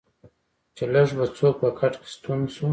چې لږ به څوک په کټ کې ستون شو.